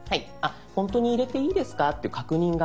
「ほんとに入れていいですか？」っていう確認画面です。